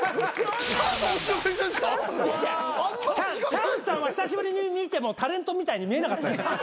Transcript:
チャンスさんは久しぶりに見てもタレントみたいに見えなかった。